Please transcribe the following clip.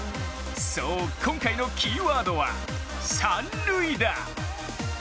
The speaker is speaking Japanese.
そう、今回のキーワードは三塁打。